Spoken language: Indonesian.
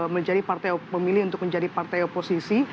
memilih untuk menjadi partai oposisi